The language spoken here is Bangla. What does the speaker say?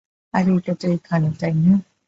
আরে এটা তো এখানে, তাই না?